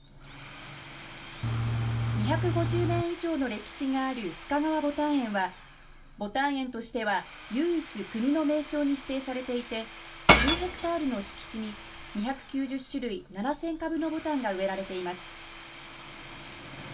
２５０年以上の歴史がある須賀川牡丹園は牡丹園としては唯一国の名勝に指定されていて１０ヘクタールの敷地に２９０種類７０００株のぼたんが植えられています。